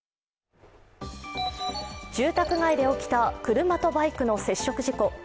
住宅街で起きた車とバイクの接触事故。